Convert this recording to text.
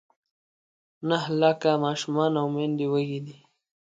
نهه لاکه ماشومان او میندې وږې دي.